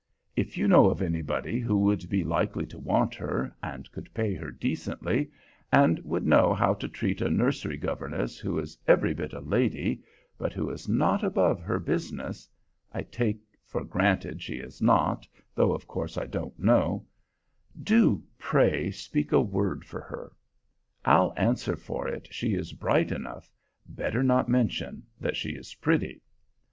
If you know of anybody who would be likely to want her, and could pay her decently, and would know how to treat a nursery governess who is every bit a lady, but who is not above her business (I take for granted she is not, though of course I don't know), do, pray, speak a word for her. I'll answer for it she is bright enough; better not mention that she is pretty.